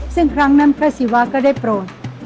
ซึ่งครั้งนั้นพระศิวะก็ได้โปรด